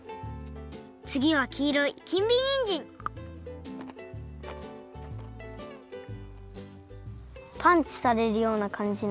つぎはきいろい金美にんじんパンチされるようなかんじの。